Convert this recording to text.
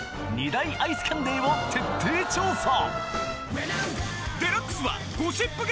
２大アイスキャンデーを徹底調査！